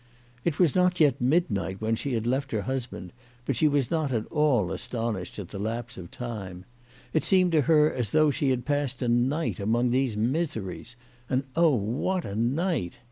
It was not yet midnight when she left her husband, but she was not at all astonished at the lapse of time. It seemed to her as though she had passed a night among these miseries. And, oh, what a night